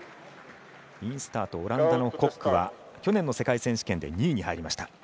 インスタート、オランダのコックは去年の世界選手権で２位に入りました。